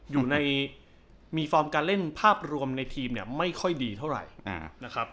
อยู่ในมีฟอร์มการเล่นภาพรวมในทีมเนี่ยไม่ค่อยดีเท่าไหร่นะครับ